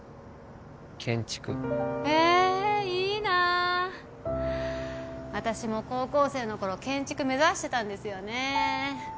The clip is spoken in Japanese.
建築へえいいな私も高校生の頃建築目指してたんですよね